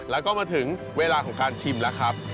แล้วก็มาถึงเวลาของการชิมแล้วครับ